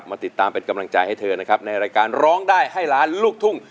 มาติดตามเป็นกำลังใจให้เธอนะครับในรายการร้องได้ให้ล้านลูกทุ่ง